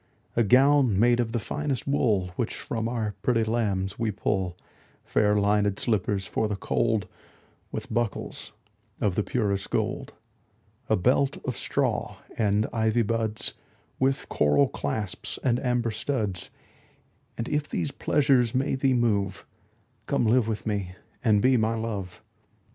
A gown made of the finest wool Which from our pretty lambs we pull; Fair linèd slippers for the cold, 15 With buckles of the purest gold. A belt of straw and ivy buds With coral clasps and amber studs: And if these pleasures may thee move, Come live with me and be my Love.